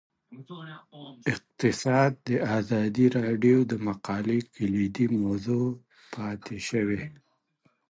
اقتصاد د ازادي راډیو د مقالو کلیدي موضوع پاتې شوی.